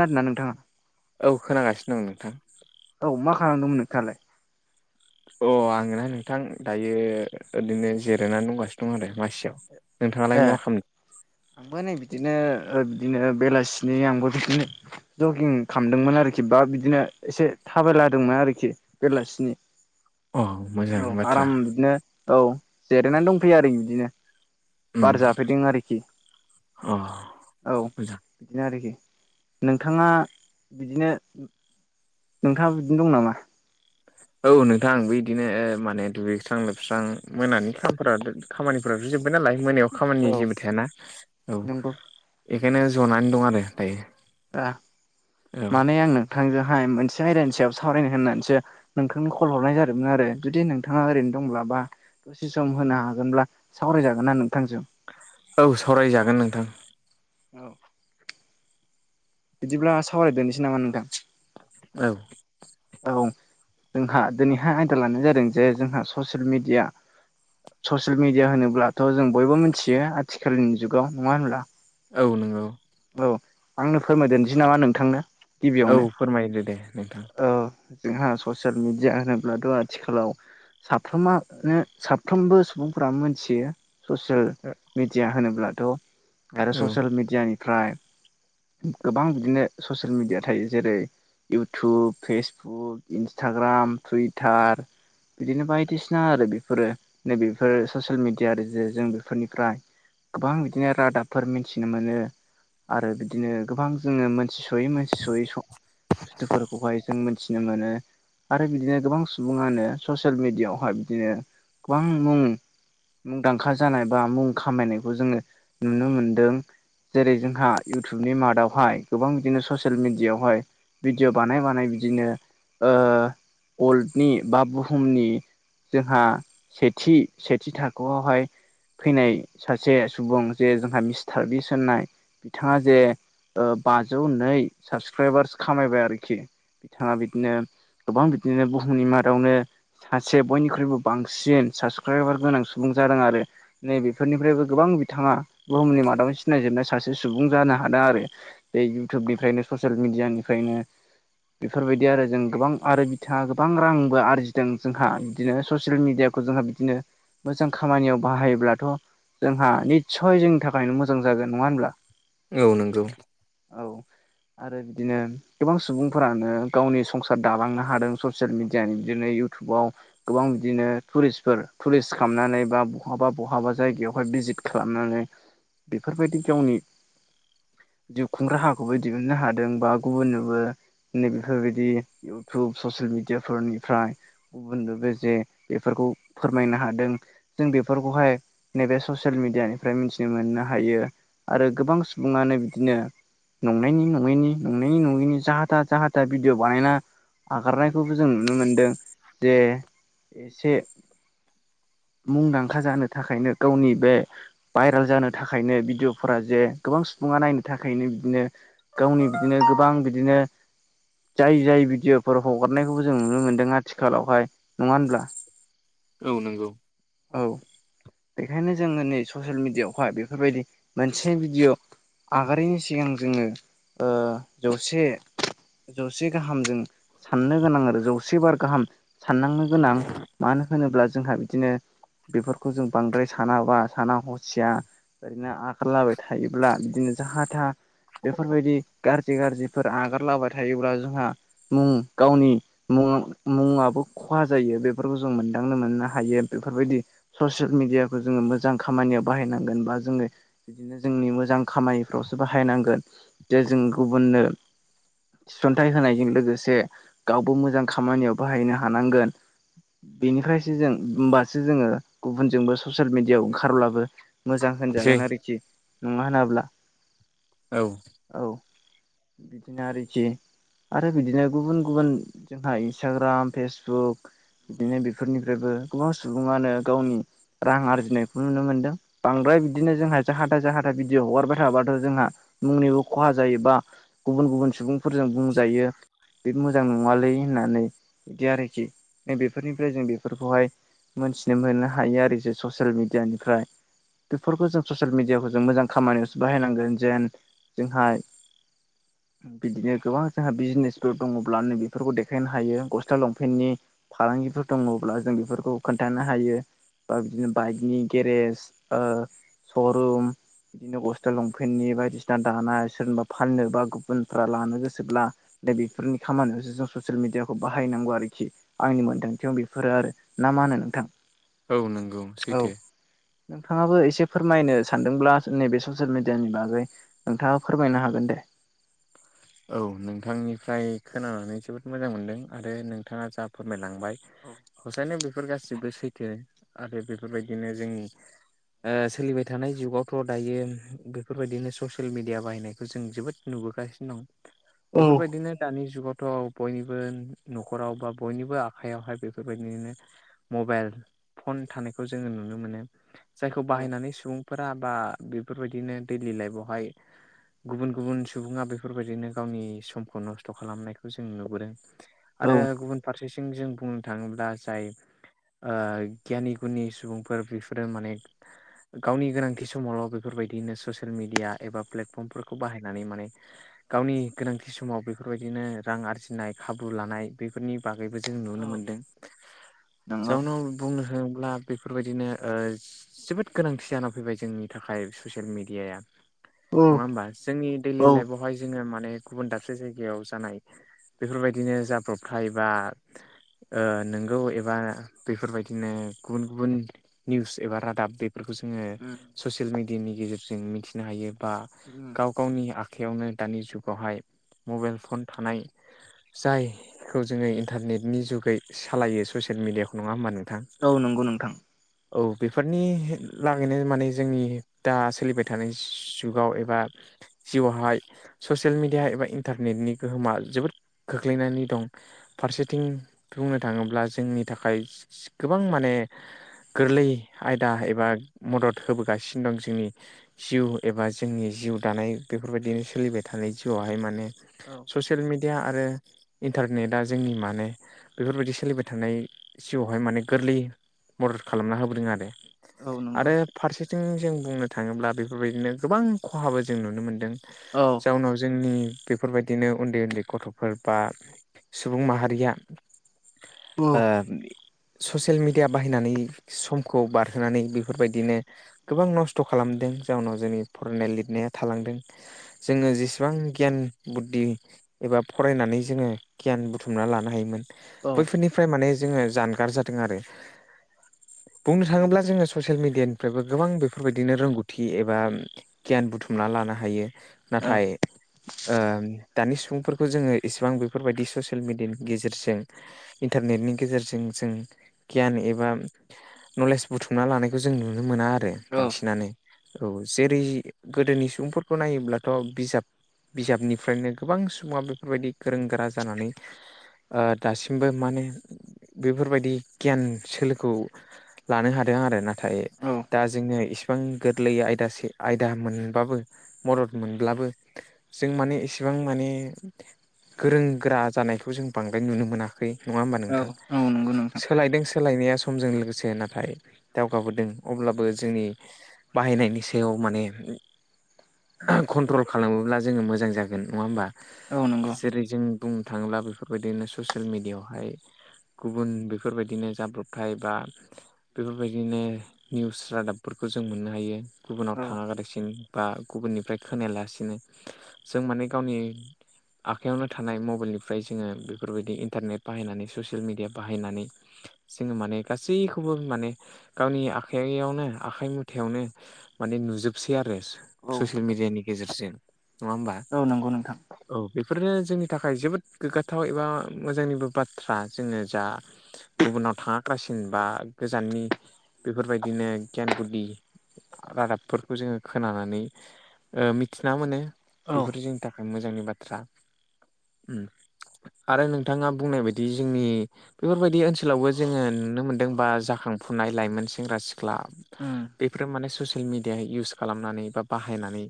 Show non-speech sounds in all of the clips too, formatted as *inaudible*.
आरोना नोंथाङा *inaudible* औ खोनागासि दं नोंथां। औ मा खालामदोंमोन नोंथाङालाय? अ' आङो नोंथां दायो ओदैनो जिरायनानै दंगासिनो दं आरो मासियाव। नोंथाङालाय ए मा खाम आंबो नै बिदिनो ओ बिदिनो बेलासिनि आंबो बिदिनो जगिं खामदोंमोन आरोखि बा बिदिनो एसे थाबायलादोंमोन आरोखि बेलासिनि। अ मोजां औ बाथ्रा आराम बिदिनो औ जिरायनानै दंफैयो आरो बिदिनो। उम बार जाफैदों आरोखि अ *inaudible* औ मोजां दिनो आरोखि नोंथाङा बिदिनो नोंथाङा बिदिनो दं नामा? औ नोंथां बो इदिनो ओ माने दुगैस्रां लोबस्रां मोनानि खामफोरा खामानिफोराथ' जोब्बाय नालाय मोनायाव औ खामानि जेबो थायाना औ नंगौ बेखायनो जनानै दं आरो दायो। ओ औ माने आं नोंथांजोहाय मोनसे आयदानि सायाव सावरायनो होननानैसो नोंथांनो खल हरनाय जादोंमोन आरो जुदि नोंथाङा ओरैनो दंब्ला बा से सम होनो हागोनब्ला सावरायजागोन ना नोंथांजों? औ सावरायजागोन नोंथां। औ बिदिब्ला सावरायदोनोसै नामा नोंथां? औ औ जोंहा दोनैहाय आयदा लानाय जादों जे जोंहा ससियेल मिडिया। स'सेल मिडिया होनोब्लाथ' जों बयबो मोन्थियो आथिखालनि जुगाव, नङा होनब्ला? औ नोंगौ। औ आंनो फोरमायदो *unintelligible* नामा नोंथांनो। औ गिबियावनो फोरमायदो दे नोंथां औ जोंहा ससियेल मिडिया होनोब्लाथ' आथिखालाव साफ्रोमानो साफ्रोमबो सुबुंफोरा मोनथियो स'सेल मेडिया होनोब्लाथ'। आरो औ ससियेल मिडियानिफ्राय गोबां बिदिनो ससियेल मिडिया थायो जेरै इउटुब फेसबुक इन्सटाग्राम टुइटार बिदिनो बायदिसिना आरो बेफोरो नैबेफोरो स'सेल मेडिया आरो जे जों बेफोरनिफ्राय गोबां बिदिनो रादाबफोर मिन्थिनो मोनो। आरो बिदिनो गोबां जोङो मोनथि सयै मानसि सयै बुस्थुफोरखौहाय जों मिथिनो मोनो। आरो बिदिनो गोबां सुबुङानो ससियेल मेडियाआवहाय बिदिनो गोबां मुं मुंदांखा जानाय बा मुं खामायनायखौ जोङो नुनो मोनदों। जेरै जोंहा नि मादावहाय गोबां बिदिनो ससियेल मिेडियआवहाय भिडिअ बानाय बानाय बिदिनो ओ अल्डनि बा बुहुमनि जोंहा सेथि सेथि थाखोआवहाय फैनाय सासे सुबुं जे जोंहा मिस्टार बिस होननाय। बिथाङा जे बाजौ नै साबसक्राइबार्स खामायबाय आरोखि, बिथाङा बिदिनो गोबां बिदिनो बुहुमनि मादावनो सासे बयनिख्रुइबो बांसिन साबसक्राइबार गोनां सुबुं जादों आरो। नै बेफोरनिफ्रायबो गोबां बिथाङा बुहुमनि मादाव सिनायजोबनाय सासे सुबुं जानो हादों आरो। बे इउटुबनिफ्रायनो ससियेल मिडियानिफ्रायनो बेफोरबायदि आरो जों गोबां आरो बिथाङा गोबां रांबो आरजिदों जोंहा बिदिनो ससियेल मिडियाखौ जोंहा बिदिनो मोजां खामानियाव बाहायोब्लाथ' जोंहा निदसय जोंनि थाखायनो मोजां जागोन, नङा होनब्ला? औ नोंगौ। औ आरो बिदिनो गोबां सुबुंफोरानो गावनि संसार दालांनो हादों ससियेल मिडिया नि बिदिनो इयउटुबाव गोबां बिदिनो टुरिसफोर टुरिस्ट खालामनानै बा बहाबा बहाबा जायगायावहाय भिजिट खालामनानै बेफोरबायदि गावनि जिउ खुंग्रा हाखौबो दिहुननो हादों बा गुबुननोबो नै बेफोरबायदि इउटुब ससियेल मिडियाफोरनिफ्राय गुबुननो बे जे बेफोरखौ फोरमायनो हादों। जों बेफोरखौहाय नैबे ससियेल मिडियानिफ्राय मिथिनो मोननो हायो। आरो गोबां सुबुङानो बिदिनो नंनायनि नङैनि नंनायनि नङैनि जाहाथा जाहा दा भिडिअ बानायना आगारनायखौबो जों नुनो मोन्दों, जे एसे मुंदांखा जानो थाखायनो गावनि बे भाइरेल जानो थाखाय थाखायनो भिडिअफोरा जे गोबां सुबुङा नायनो थाखायनो बिदिनो गावनि बिदिनो गोबां बि बिदिनो जाय जाय भिडिअफोर हगारनायखौबो जों नुनो मोनदों आथिखालावहाय। नङा होनब्ला? औ नंगौ औ बेखायनो जोै स'सेल मिडियाआवहाय बेफोरबायदि मोनसे भिडिअ' आगारिनि सिगां ओ जोङो जौसे जौसे गाहामजों साननो गोनां आरो जौसे बार गाहाम साननांनो गोनां मानो होनोब्ला जोंहा बिदिनो बेफोरखौ जों बांद्राय सानाबा साना हसिया ओरैनो आगारलाबाय थायो अब्ला बिदिनो जाहा था बेफोरबायदि गाज्रि गाज्रिफोर आगारलाबाय थायोब्ला जोंहा मुं गावनि मुं मुङाबो खहा जायो, बेफोरखौ जों मोनदांनो मोननो हायो बेफोरबायदि ससियेल मिडियाखौ जोङो मोजां खामानियाव बाहायनांगोन, बा जोङो बिदिनो जोंनि मो मोजां खामानिफ्रावसो बाहायनांगोन। जे जों गुबुननो थिसन्थाइ होनायजों लोगोसे गावबो मोजां खामानियाव बाहायनो हानांगोन। बेनिफ्रायसो जों होमबासो जोङो गुबुनजोंबो ससियेल मिडियाव ओंखारब्लाबो मोजां सै होनजागोन आरोखि। नङा होनाब्ला औ। औ बिदिनो आरोखि। आरो बिदिनो गुबुन गुबुन जोंहा इन्सटाग्राम, फेसबुक बिदिनो बेफोरनिफ्रायबो गोबां सुबुङानो गावनि रां आरजिनायखौ नुनो मोनदों। बांद्राय बिदिनो जोंहा जाह दा जाहा भिडिअ हगारबाय थाबाथ' जोंहा मुंनिबो खहा जायोबा गुबुन गुबुन सुबुं फोरजों बुंजायो बे मोजां नङालै होननानै बिदि आरोखि। नैबे बेफोरनिफ्राय जों बेफोरखौहाय मोन्थिनो मोननो हायो आरो जे ससियेल मिडियानि फ्राय बिफोरखौ जों ससियेल मिडियाव मोजां खामानियावो बाहायनांगोन जेन जोंहा बिदिनो गोबां जोंहा बिजिनेसफोर दङब्ला नो बेफोरखौ देखायनो हायो गस्ला लंपेन्टनि फालांगिफोर दङब्ला जों बेफोरखौ खोन्थानो हायो। बा बिदिनो बाइकनि गेरेज ओ शरुम बिदिनो गस्ला लंपेन्टनि बायदिसिना दानाय सोरनोबा फाननो बा गुबुनफ्रा लानो गोसोब्ला दा बेफोरनि खामानियावसो जों ससियेल मिडियाखौ बाहायनांगौ आरोखि आंनि मोनदांथियाव बेफोरो आरो ना मा होनो नोंथां? औ नंगौ औ सैथो नोंथाङाबो एसे फोरमायनो सान अब्ला नैबे ससियेल मिडियानि बागै नोंथाङा फोरमायनो हागोन दे। औ नोंथांनिफ्राय खोनानानै जोबोद मोजां मोनदों आरो नोंथाङा जा फोरमायलां फंबाय हसायनो बेफोर गासिबो सैथो आरो बेफोरबायदिनो जोंनि ओ सोलिबाय थानाय जुगावथ' दायो बेफोरबायदिनो ससियेल मिडिया बाहायनायखौ जों जोबोद नुबोगासिनो दं। औ बेफोरबायदिनो दानि जुगावथ' बयनिबो नखराव बा बयनिबो आखाइयावहाय बेफोरबायदिनो मबाइल फन थानायखौ जोङो नुनो मोनो। जायखौ औ बाहायनानै सुबुं फोरा बा बेफोरबायदिनो दैलि लाइफावहाय गुबुन गुबुन सुबुङा बेफोरबाय दिनो गावनि समखौ नस्थ' खालामनायखौ जों नुबोदों। आरो गुबुन फारसेथिं जों बुंनो थाङोब्ला जाय ओ गियानि गुनि सुबुंफोर बेफोरो माने गावनि गोनांथि समावल' बेफोरबायदिनो ससियेल मिडिया एबा प्लेटफर्मफोरखौ बाहायनानै माने गावनि गोनांथि समाव बेफोरबायदिनो रां आरजिनाय खाबु लानाय बेफोरनि बागैबो जों नुनो मोन्दों। *inaudible* नंगौ जाउनाव बुंनो हाङोब्ला बेफोरबायदिनो ओ जोबोद गोनांथि जाना फैबाय जोंनि थाखाय ससियेल मिडियाया। औ नङा होमबा, जोंनि दैइलि औ लाइफावहाय जोङो माने गुबुन दाबसे जायगायाव जानाय बेफोरबायदिनो जाब्रबथाय बा ओ नोंगौ एबा बेफोरबायदिनो गुबुन गुबुन निउस एबा रादाब बेफोरखौ जोङो उम ससियेल मिडियानि गेजेरजों मिथिनो हायो बा उम गाव गावनि आखाइयावनो दानि जुगावहाय मबाइल फन थानाय जायखौ जोङो इन्टारनेटनि जुगै सालायो ससियेल मिडियाखौ नङा होमबा नोंथां। औ नंगौ नोंथां। औ बेफोरनि लागैनो माने जोंनि दा सोलिबाय थानाय जुगाव एबा जिउआवहाय ससियेल मिडिया एबा इन्टारनेटनि गोहोमा जोबोद खोख्लैनानै दं। फारसेथिं बुंनो थाङोब्ला जोंनि थाखाय गोबां माने गोरलै आयदा एबा मदद होबोगासिनो दं जोंनि जिउ एबा जोंनि जिउ दानाय बेफोरबायदिनो सोलिबाय थानाय जिउआवहाय माने औ। ससियेल मिडिया आरो इन्टारनेटआ जोंनि माने बेफोरबायदि सोलिबाय थानाय जिउआवहाय माने गोरलै मदद खालामना होबोदों आरो औ नंगौ आरो फारसेथिं जों बुंनो थाङोब्ला बेफोरबायदिनो गोबां खहाबो जों नुनो मोनदों औ जाउनाव जोंनि बेफोरबायदिनो उन्दै उन्दै गथ'फोर बा सुबुं माहारिया औ ओ ससियेल मिडिया बाहायनानै समखौ बारहोनानै बेफोरबायदिनो गोबां नस्थ' खालामदों जाउनाव जोंनि फरायनाय लिरनाया थालांदों जोङो जेसेबां गियान बुद्धि एबा फरायनानै जोङो गियान बुथुमना लानो हायोमोन औ बैफोरनि फ्राय माने जोङो जानगार जादों आरो बुंनो थाङोब्ला जोङो ससियेल मिडियानिफ्रायबो गोबां बेफोरबायदिनो रोंगौथि एबा गियान बुथुमना लानो हायो नाथाय दानि सुबुंफोरखौ जोङो इसेबां बेफोरबायदि ससियेल मिेडियानि गेजेरजों इन्टारनेटनि गेजेरजों जों गियान एबा नलेज बुथुमना लानायखौ जों नुनो मोना आ रो बांसिनानो औ जेरै गोदोनि सुबुंफोरखौ नायोब्ला थ' बिजाब बिजाबनिफ्रायनो गोबां सुबुङा बेफोरबायदि गोरों गोरा जानानै ओ दासिमबो माने बेफोरबायदि गियान सोलोखौ लानो हादों आरो नाथाय औ दा जोंनो इसिबां गोरलै आयदासे आयदा मोनबाबो मदद मोनब्लाबो जों माने इसेबां माने गोरों गोरा जानायखौ जों बांद्राय नुनो मोनाखै नङा होमबा औ नोंथां? औ नंगौ नोंथां सोलायदों सोलायनाया समजों लोगोसे नाथाय दावगाबोदों अब्लाबो जोंनि बाहायनायनि सायाव माने कन्ट्रल खालामोब्ला जोङो मोजां जागोन नङा होमबा? औ नंगौ जेरै जों बुंनो थाङोब्ला बेफोरबायदिनो ससियेल मिडियायावहाय गुबुन बेफोरबायदिनो जाब्रबथाय बा बेफोरबायदिनो निउस रादाबफोरखौ जों मोननो हायो गुबुनाव औ थाङालासिन बा गुबुननिफ्राय खोनायालासिनो जों माने गावनि आखाइयावनो थानाय मबाइलनिफ्राय जोङो बेफोरबायदि इन्टारनेट बाहायनानै ससियेल मिडिया बाहायनानै जोङो माने गासैखौबो माने गावनि आखाइयावनो आखाइ मुथायावनो माने नुजोबसै आरो औ ससियेल मिडियानि गेजेरजों नङा होमबा? औ नंगौ नोंथां औ बेफोरनो जोंनि थाखाय जोबोद गोग्गाथाव एबा मोजांनिबो बाथ्रा जोङो जा गुबुनाव थाङा लासिन बा गोजाननि बेफोरबायदिनो गियान गुदि रादाबफोरखौ जोङो खोनानानै ओ मिथिना मोनो औ बेफोर जोंनि था खाय मोजांनि बाथ्रा उम आरो नोंथाङा बुंनाय बायदि जोंनि बेफोरबायदि ओनसोलावबो जोङो नुनो मोनदों बा जाखांफुनाय लाइमोन सेंग्रा सिख्ला उम बेफोरो माने ससियेल मिडिया इउस खालामनानै बा बाहायनानै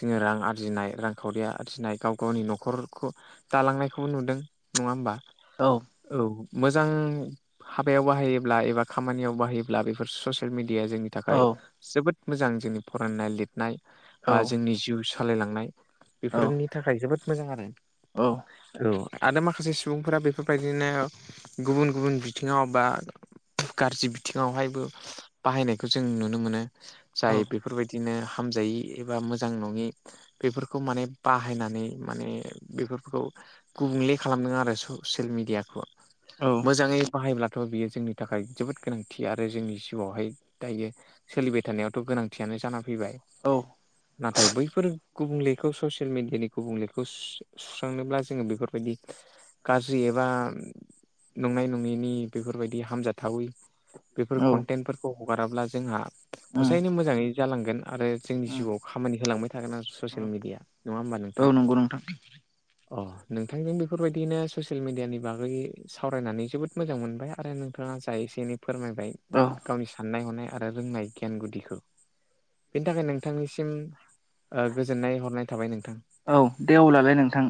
जोङो रां आरजिनाय रांखावरिया आरजिनाय गाव गावनि न'खरखौ गालांनायखौबो नुदों नङा होमबा? औ औ मोजां हाबायाव बाहायोब्ला एबा खामानियाव बाहायोब्ला बेफोर ससियेल मिडिया जोंनि औ थाखाय जोबोद मोजां जोंनि फरायनाय लिरनाय औ बा जोंनि जिउ सु सालायलांनाय औ बेफोरनि थाखाय जोबोद मोजां आरो औ औ आरो माखासे सुबुंफोरा बेफोरबायदिनो गुबुन गुबुन बिथिङाव बा गाज्रि बिथिङावहायबो बाहायनायखौ जों नुनो मोनो जाय बेफोरबायदिनो हामजायै एबा मोजां नङि बेफोरखौ माने बाहायनानै माने बेफोरखौ गुबुंले खालामदों आरो ससियेल मिडियाखौ औ मोजाङै बाहायब्ला थ' बियो जोंनि थाखाय जोबोद गोनांथि आरो जोंनि जिउआवहाय दायो सोलिबाय थानायावथ' गोनांथियानो जाना फैबाय। औ नाथाय बैफोर गुबुंलेखौ ससियेल मेडियानि गुबुंलेखौ सुस्रांनोब्ला जोङो बेफोरबायदि गाज्रि एबा नंनाय नङैनि बेफोरबायदि हामजाथावै बेफोर कनटेन्टफोरखौ हगाराब्ला जोंहा उम औ हसायैनो मोजाङै जालांगोन आरो जोंनि जिउआव खामानि होलांबाय थागोन आरो ससिल मिडिया नङा होमबा नोंथां। औ नंगौ नोंथां अ नोंथांजों बेफोरबायदिनो ससियेल मेडियानि बागै सावरायनानै जोबोद मोजां मोनबाय आरो नोंथाङा जाय एसे एनै फोरमायबाय औ गावनि साननाय हनाय आरो रोंनाय गियान गुदिखौ बेनि थाखाय नों थांनिसिम गोजोननाय हरनाय थाबाय नोंथां। औ दे अब्लालाय नोंथां।